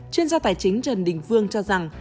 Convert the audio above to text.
chuyên gia tài chính trần đình phương cho rằng